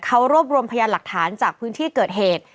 เขารวบรวมพยานหลักฐานจากพื้นที่เกิดเหตุ